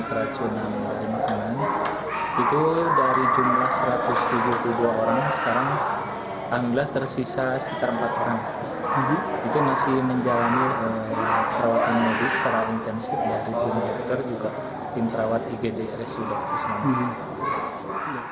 itu masih menjalani perawatan medis secara intensif dari jumat dr juga tim perawat igdrs sudah bersama